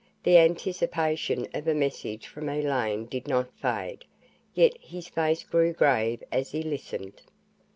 The anticipation of a message from Elaine did not fade, yet his face grew grave as he listened.